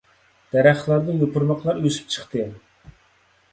دەرەخلەردىن يوپۇرماقلار ئۆسۈپ چىقتى.